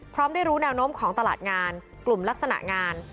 ได้รู้แนวโน้มของตลาดงานกลุ่มลักษณะงาน